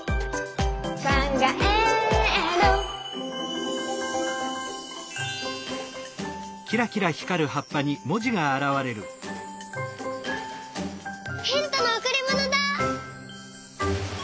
「かんがえる」ヒントのおくりものだ。